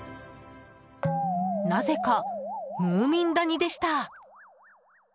なぜか、ムーミン谷でした。